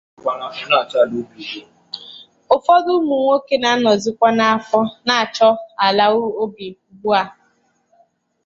Ụfọdụ ụmụnwoke na-anọzịkwa n'afọ na-achọ ala obì ugbua